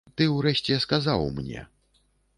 Ты ўрэшце сказаў мне.